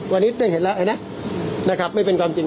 วันนี้ได้เห็นแล้วไอ้นะนะครับไม่เป็นความจริง